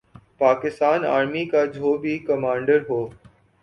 Pakistan army کا جو بھی کمانڈر ہو۔